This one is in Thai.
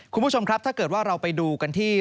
คุณผู้ชมครับถ้าเกิดว่าเราไปดูกันที่